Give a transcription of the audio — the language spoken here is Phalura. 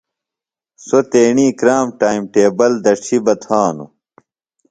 سوۡ تیݨی کرام ٹائم ٹیبل دڇھیۡ بہ تھانوۡ۔